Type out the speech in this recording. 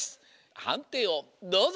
はんていをどうぞ！